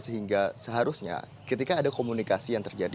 sehingga seharusnya ketika ada komunikasi yang terjadi